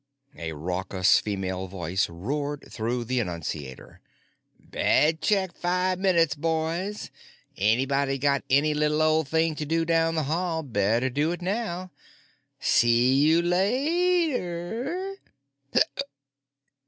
A raucous female voice roared through the annunciator: "Bed check five minutes, boys. Anybody got any li'l thing to do down the hall, better do it now. See you lay terrr!"